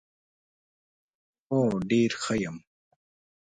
هو ډېره ښه یم .